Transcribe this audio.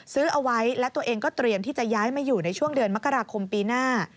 ซื้อเอาไว้และตัวเองก็เตรียมที่จะย้ายมาอยู่ในช่วงเดือนมกราคมปีหน้า